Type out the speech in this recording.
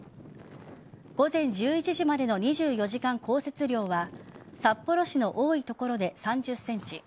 午前１１時までの２４時間降雪量は札幌市の多い所で３０ｃｍ